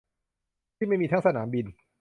ที่ไม่มีทั้งสนามบิน